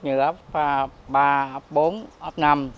như ấp ba ấp bốn ấp năm